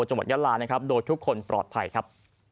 จังหวัดยะลาโดยทุกคนปลอดภัยครับ